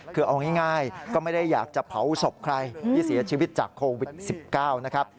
คือเอาง่ายก็ไม่ได้อยากจะเผาศพใครที่เสียชีวิตจากโควิด๑๙นะครับ